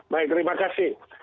baik terima kasih